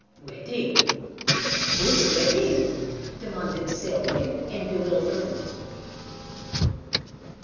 "Wedding? Whose wedding?" demanded Selwyn, in bewilderment.